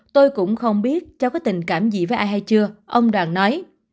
tôi cũng không biết cháu có tình cảm gì với ai hay chưa ông đoàn nói